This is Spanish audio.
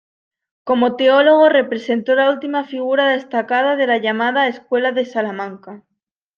Como teólogo representó la última figura destacada de la llamada Escuela de Salamanca.